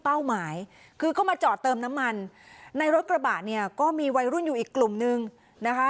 หมายคือก็มาจอดเติมน้ำมันในรถกระบะเนี่ยก็มีวัยรุ่นอยู่อีกกลุ่มนึงนะคะ